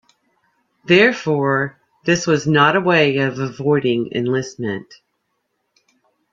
Therefore, this was not a way of avoiding enlistment.